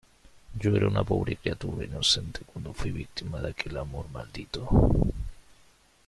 yo era una pobre criatura inocente cuando fuí víctima de aquel amor maldito.